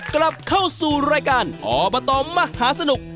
กลับเข้าสู่รายการอบตมหาสนุก